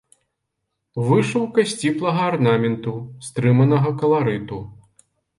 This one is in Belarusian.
Вышыўка сціплага арнаменту, стрыманага каларыту.